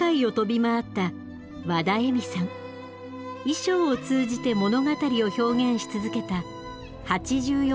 衣装を通じて物語を表現し続けた８４年の生涯でした。